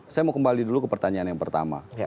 saya mau kembali dulu ke pertanyaan yang pertama